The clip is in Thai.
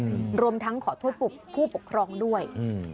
อืมรวมทั้งขอโทษผู้ปกครองด้วยอืม